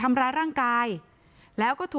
ภรรยาก็บอกว่านายทองม่วนขโมย